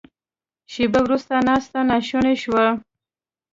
شیبه وروسته ناسته ناشونې شوه.